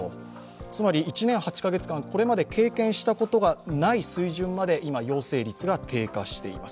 つまり、１年８カ月間、これまで経験したことのない水準まで陽性率が低下しています。